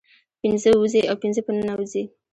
پنځه ووزي او پنځه په ننوزي